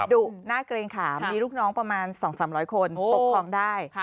ดุน่าเกรงขามมีลูกน้องประมาณ๒๓๐๐คนปกครองได้